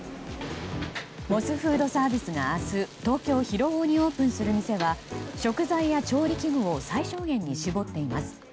モスフードサービスが明日東京・広尾にオープンする店は食材や調理器具を最小限に絞っています。